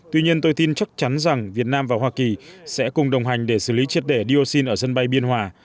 tuy nhiên tôi tin chắc chắn rằng việt nam và hoa kỳ sẽ cùng đồng hành để xử lý triết đẻ niu xin ở sân bay biên hòa